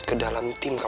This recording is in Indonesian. terus ada pembahasan juga